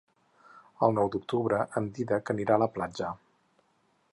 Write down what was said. El nou d'octubre en Dídac anirà a la platja.